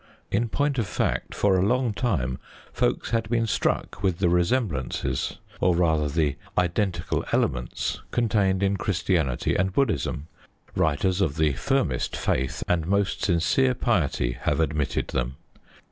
In point of fact, for a long time folks had been struck with the resemblances or, rather, the identical elements contained in Christianity and Buddhism. Writers of the firmest faith and most sincere piety have admitted them.